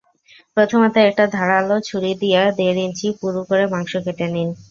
প্রথমত একটা ধারালো ছুরি দিয়ে দেড় ইঞ্চি পুরু করে মাংস কেটে নিন।